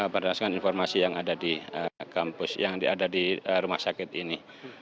berdasarkan informasi yang ada di kampus yang ada di rumah sakit ini